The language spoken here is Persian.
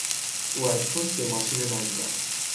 او از پشت به ماشین من زد.